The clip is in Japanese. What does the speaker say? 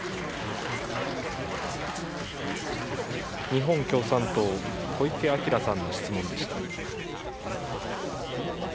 日本共産党、小池晃さんの質問でした。